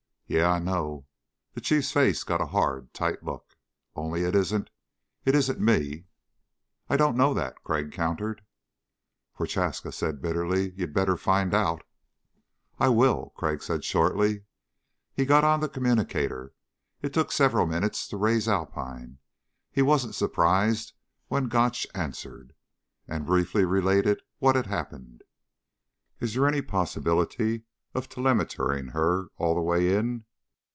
"Yeah, I know." The Chief's face got a hard tight look. "Only it isn't ... it isn't me." "I don't know that," Crag countered. Prochaska said bitterly: "You'd better find out." "I will," Crag said shortly. He got on the communicator. It took several minutes to raise Alpine. He wasn't surprised when Gotch answered, and briefly related what had happened. "Is there any possibility of telemetering her all the way in?"